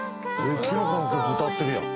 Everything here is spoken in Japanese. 「きのこの曲歌ってるやん」